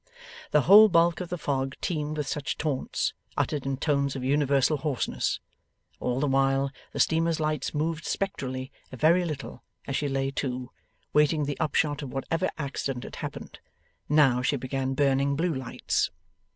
The whole bulk of the fog teemed with such taunts, uttered in tones of universal hoarseness. All the while, the steamer's lights moved spectrally a very little, as she lay to, waiting the upshot of whatever accident had happened. Now, she began burning blue lights.